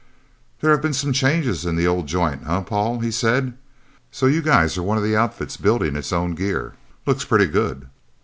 "There have been some changes in the old joint, huh, Paul?" he said. "So you guys are one of the outfits building its own gear... Looks pretty good...